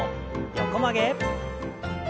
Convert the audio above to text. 横曲げ。